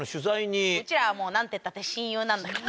うちらはもう何てったって親友なんだから。